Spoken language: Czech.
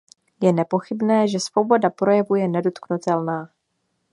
Je nepochybné, že svoboda projevu je nedotknutelná.